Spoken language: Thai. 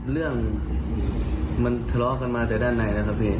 เรื่องมันทะเลาะกันมาแต่ด้านในแล้วครับพี่